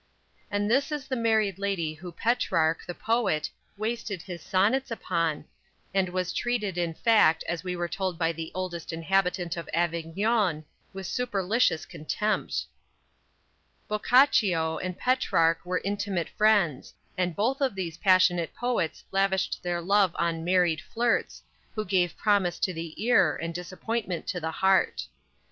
And this is the married lady who Petrarch, the poet, wasted his sonnets upon, and was treated in fact as we were told by the "oldest inhabitant" of Avignon, with supercilious contempt. Boccaccio and Petrarch were intimate friends, and both of these passionate poets lavished their love on "married flirts," who give promise to the ear and disappointment to the heart.